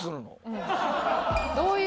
うん。